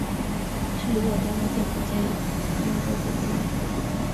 是一座登录建筑兼英国古迹。